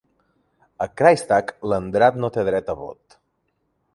A Kreistag, Landrat no té dret a vot.